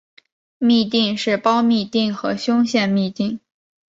嘧啶是胞嘧啶和胸腺嘧啶。